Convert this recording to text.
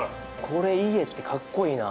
これ家ってかっこいいな。